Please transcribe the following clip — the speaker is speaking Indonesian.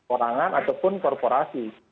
orangan ataupun korporasi